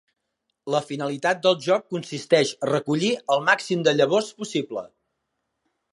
La finalitat del joc consisteix a recollir el màxim de llavors possible.